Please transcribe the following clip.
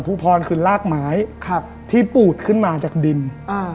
ภูพรคือลากไม้ครับที่ปูดขึ้นมาจากดินอ่า